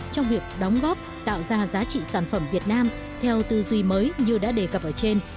trong việc đóng góp tạo ra giá trị sản phẩm việt nam theo tư duy mới như đã đề cập ở trên